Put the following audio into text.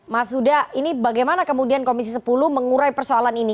mas huda ini bagaimana kemudian komisi sepuluh mengurai persoalan ini